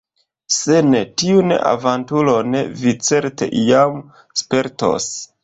Se ne, tiun aventuron vi certe iam spertos.